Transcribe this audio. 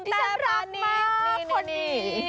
ที่ฉันรักมากคนนี้